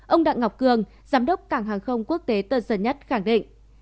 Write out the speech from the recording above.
ông đặng ngọc cường giám đốc cảng hàng không quốc tế tân sơn nhất khẳng định